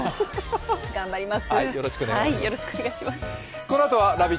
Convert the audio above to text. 頑張ります。